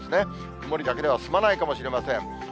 曇りだけでは済まないかもしれません。